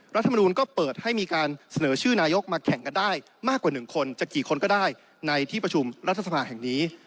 รัฐมนูลก็เปิดให้มีการเสนอชื่อนายกมาแข่งกันได้มากกว่า๑คนจะกี่คนก็ได้ในที่ประชุมรัฐสภาแห่งนี้